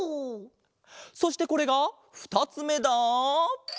そしてこれがふたつめだ。